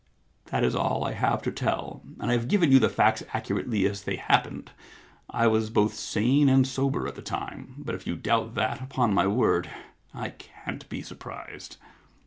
That is all I have to tell, and I have given you the facts accurately as they happened. I was both sane and sober at the time — but if you doubt that, upon my word I can't be surprised.'